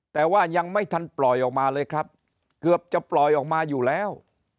แต่ว่ายังไม่ทันปล่อยออกมาเลยครับเกือบจะปล่อยออกมาอยู่แล้ว